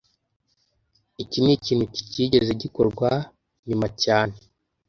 Iki nikintu kitigeze gikorwa nyuma cyane